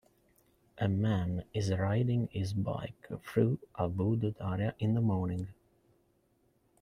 A man is riding his bike through a wooded area in the morning.